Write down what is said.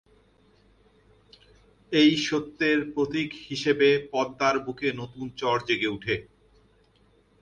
এই সত্যের প্রতীক হিসেবে পদ্মার বুকে নতুন চর জেগে উঠে।